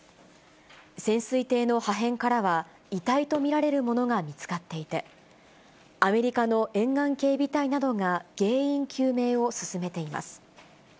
潜水艇の破片からは、遺体と見られるものが見つかっていて、アメリカの沿岸警備隊などが原因究明を進めています。